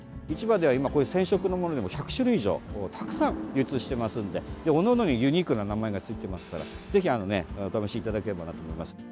市場では、今、染色のものでも１００種類以上たくさん流通していますのでおのおのにユニークな名前がついていますからぜひお試しいただければと思います。